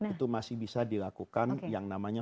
itu masih bisa dilakukan yang namanya